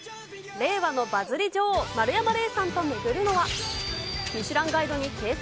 令和のバズり女王、丸山礼さんと巡るのは、ミシュランガイドに掲載。